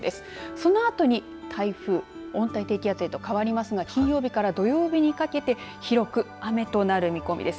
そのあとに台風、温帯低気圧へと変わりますが、金曜日から土曜日にかけて広く雨となる見込みです。